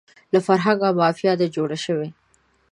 له فرهنګه مافیا ده جوړه شوې